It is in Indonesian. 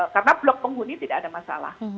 karena blok penghuni tidak ada masalah